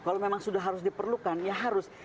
kalau memang sudah harus diperlukan ya harus